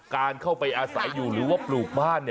การเข้าไปอาศัยอยู่หรือว่าปลูกบ้าน